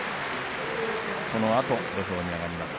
このあと土俵に上がります。